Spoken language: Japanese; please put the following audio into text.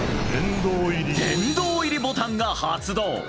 殿堂入りボタンが発動。